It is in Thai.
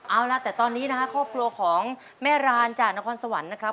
เอาล่ะแต่ตอนนี้นะฮะครอบครัวของแม่รานจากนครสวรรค์นะครับ